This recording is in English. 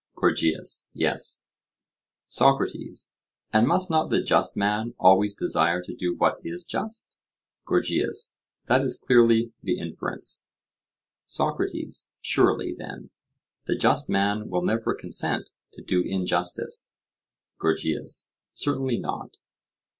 GORGIAS: Yes. SOCRATES: And must not the just man always desire to do what is just? GORGIAS: That is clearly the inference. SOCRATES: Surely, then, the just man will never consent to do injustice? GORGIAS: Certainly not.